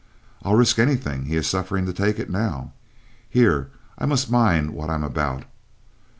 I'll risk anything he is suffering to take it now; here I must mind what I'm about.